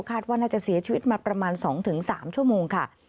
ว่าน่าจะเสียชีวิตมาประมาณ๒๓ชั่วโมงค่ะ